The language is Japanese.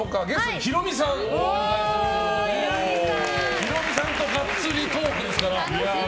ヒロミさんとガッツリトークですから。